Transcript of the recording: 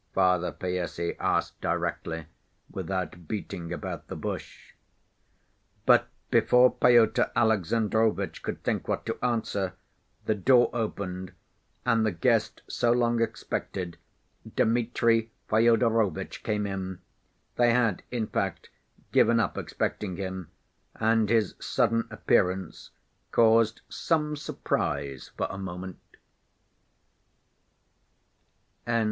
Father Païssy asked directly, without beating about the bush. But before Pyotr Alexandrovitch could think what to answer, the door opened, and the guest so long expected, Dmitri Fyodorovitch, came in. They had, in fact, given up expecting him, and his sudden appearance caused some surprise for a moment.